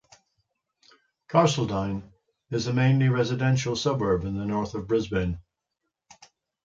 Carseldine is a mainly residential suburb in the north of Brisbane.